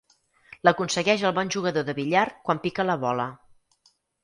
L'aconsegueix el bon jugador de billar quan pica la boca.